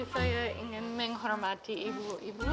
saya ingin menghormati ibu ibu